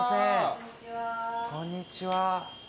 こんにちは。